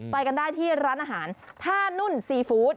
ไปกันได้ที่ร้านอาหารท่านุ่นซีฟู้ด